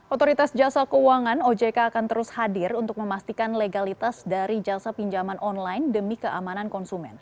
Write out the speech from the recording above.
otoritas jasa keuangan ojk akan terus hadir untuk memastikan legalitas dari jasa pinjaman online demi keamanan konsumen